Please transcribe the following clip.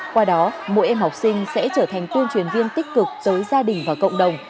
qua đó mỗi em học sinh sẽ trở thành tuyên truyền viên tích cực tới gia đình và cộng đồng